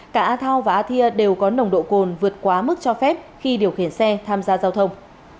cả a thao và a thia đều có nồng độ cồn vượt quá mức cho phép khi điều khiển xe tham gia giao thông